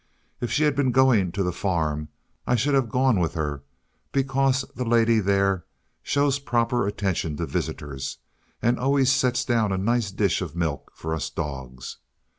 If she had been going to the farm, I should have gone with her, because the lady there shows proper attention to visitors, and always sets down a nice dish of milk for us dogs.